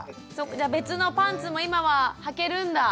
別のパンツも今ははけるんだ？